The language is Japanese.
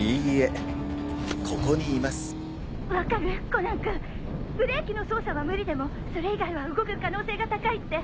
コナン君ブレーキの操作は無理でもそれ以外は動く可能性が高いって。